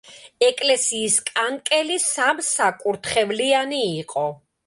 ეკლესიის კანკელი სამსაკურთხევლიანი იყო.